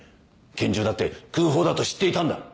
拳銃だって空砲だと知っていたんだ。